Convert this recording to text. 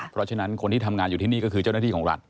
เพราะฉะนั้นคนที่ทำงานอยู่ที่นี่ก็คือเจ้าหน้าที่ของรัฐ